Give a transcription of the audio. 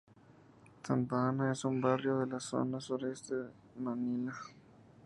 Santa Ana es un barrio en la zona sureste de Manila.